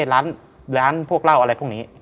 ร้านพวกเหล้าอะไรพวกนี้